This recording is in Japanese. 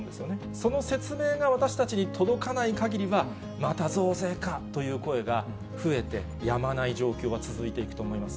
その説明が私たちに届かないかぎりは、また増税かという声が増えてやまない状況が続いていくと思います